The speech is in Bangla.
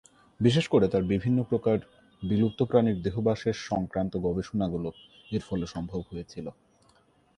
বিশেষ করে তার বিভিন্ন প্রকার বিলুপ্ত প্রাণীর দেহাবশেষ সংক্রান্ত গবেষণাগুলো এর ফলে সম্ভব হয়েছিল।